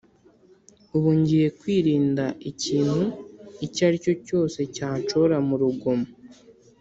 Ubu ngiye kwirinda ikintu icyo ari cyo cyose cyanshora murugomo